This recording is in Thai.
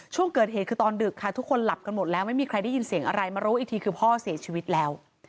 ช่วงเกิดเหตุคือตอนดึกค่ะทุกคนหลับกันหมดแล้วไม่มีใครได้ยินเสียงอะไรมารู้อีกทีคือพ่อเสียชีวิตแล้ว